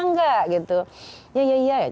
enggak gitu ya ya